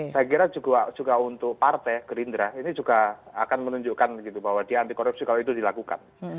saya kira juga untuk partai gerindra ini juga akan menunjukkan bahwa dia anti korupsi kalau itu dilakukan